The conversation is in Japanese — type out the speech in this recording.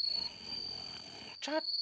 ちょっと！